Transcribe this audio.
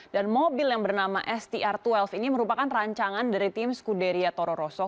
dan mobil yang bernama str dua belas ini merupakan rancangan dari tim scuderia toro rosso